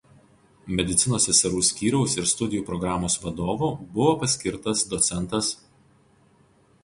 Medicinos seserų skyriaus ir studijų programos vadovu buvo paskirtas doc.